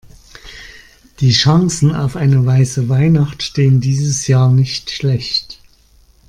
Die Chancen auf eine weiße Weihnacht stehen dieses Jahr nicht schlecht.